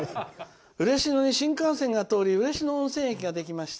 「嬉野に新幹線が通り嬉野温泉駅ができました。